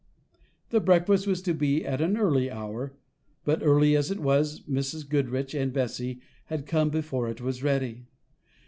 The breakfast was to be at an early hour, but, early as it was, Mrs. Goodriche and Bessy had come before it was ready.